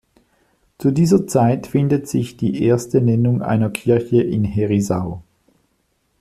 Zu dieser Zeit findet sich die erste Nennung einer Kirche Herisau.